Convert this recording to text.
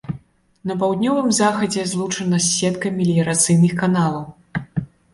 На паўднёвым захадзе злучана з сеткай меліярацыйных каналаў.